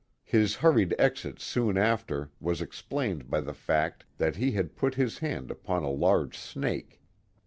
His hurried exit soon after was explained by the fact that he had put his hand upon a large snake.